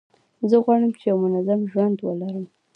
زه غواړم چي یو منظم ژوند ولرم.